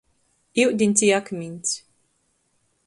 Iudiņs i akmiņs.